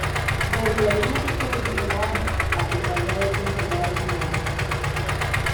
Desde ahí no se produjeron avances, a pesar de haber conservado su nombre.